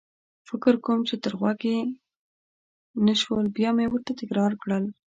فکر کوم چې تر غوږ يې نه شول، بیا مې ورته تکرار کړل.